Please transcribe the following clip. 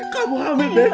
kamu hamil beb